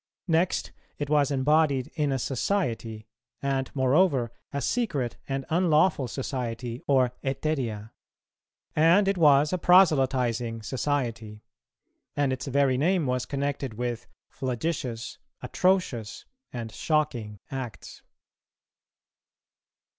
Next, it was embodied in a society, and moreover a secret and unlawful society or hetæria; and it was a proselytizing society; and its very name was connected with "flagitious," "atrocious," and "shocking" acts.